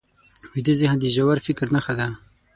ویده ذهن د ژور فکر نښه ده